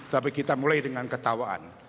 tapi kita mulai dengan ketawaan